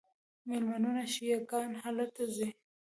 میلیونونه شیعه ګان هلته ځي.